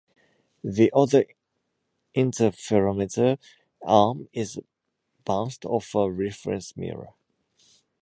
The other interferometer arm is bounced off a reference mirror.